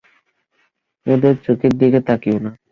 ওদের চোখের দিকে তাকিয়ো না।